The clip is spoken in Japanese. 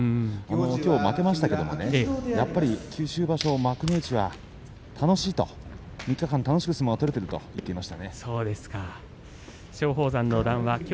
きょう負けましたけれどもやはり九州場所幕内は楽しいとこの３日間楽しく相撲が取れているという話をしていました。